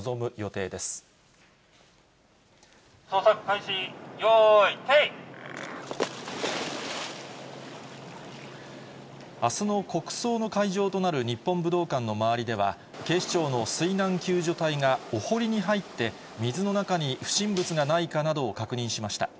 捜索開始、よーい、あすの国葬の会場となる日本武道館の周りでは、警視庁の水難救助隊がお堀に入って、水の中に不審物がないかなどを確認しました。